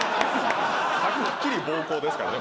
はっきり暴行ですからね